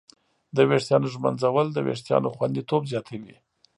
د ویښتانو ږمنځول د وېښتانو خوندیتوب زیاتوي.